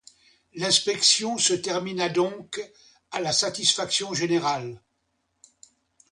L’inspection se termina donc à la satisfaction générale.